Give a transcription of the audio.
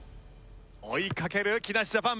追いかける木梨ジャパン。